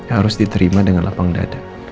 harus diterima dengan lapang dada